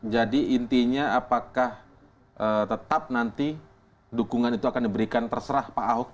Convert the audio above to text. jadi intinya apakah tetap nanti dukungan itu akan diberikan terserah pak ahok